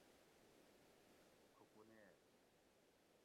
کوکونیل